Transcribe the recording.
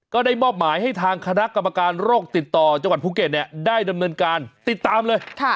ก็ได้มอบหมายให้ทางคณะกรรมการโรคติดต่อจังหวัดภูเก็ตได้ดำเนินการติดตามเลย